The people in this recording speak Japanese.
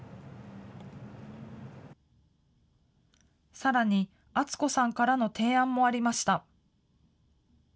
さらに淳子さんからの提案もありました。